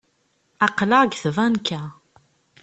Aql-aɣ deg tbanka.